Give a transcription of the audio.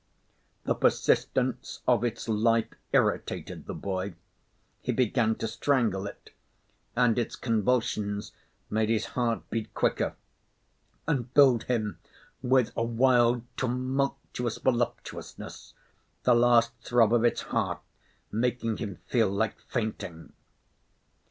The persistence of its life irritated the boy. He began to strangle it, and its convulsions made his heart beat quicker, and filled him with a wild, tumultuous voluptuousness, the last throb of its heart making him feel like fainting.